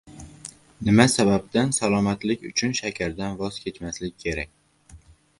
Nima sababdan salomatlik uchun shakardan voz kechmaslik kerak?